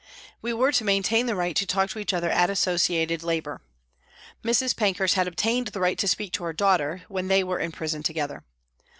We were to maintain the right to talk to each other at associated labour. Mrs. Pankhurst had obtained the right to speak to her daughter when they were in prison together.